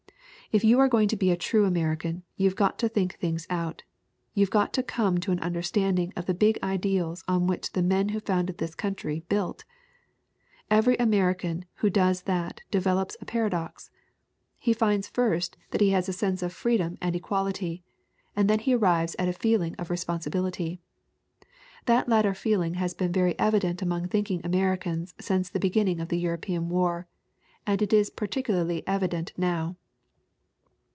If you are going to be a true American, you've got to think things out! You've got to come to an understanding of the big ideals on which the men who founded this country built. "Every American who does that develops a para dox. He finds first that he has a sense of freedom 354 THE WOMEN WHO MAKE OUR NOVELS and equality, and then he arrives at a feeling of re sponsibility. That latter feeling has been very evi dent among thinking Americans since the beginning of the European war, and it is particularly evident now.